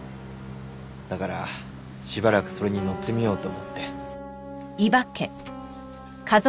だからしばらくそれにのってみようと思って。